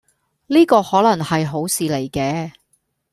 呢個可能係好事嚟嘅